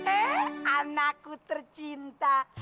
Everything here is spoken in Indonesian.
eh anakku tercinta